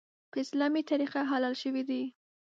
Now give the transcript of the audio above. په اسلامي طریقه حلال شوی دی .